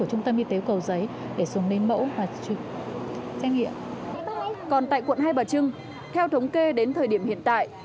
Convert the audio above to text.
còn tại quận hai bà trưng theo thống kê đến thời điểm hiện tại